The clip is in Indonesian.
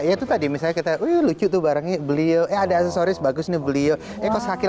ya itu tadi misalnya kita lucu tuh barangnya beliau ada asesoris bagus nih beliau sehaki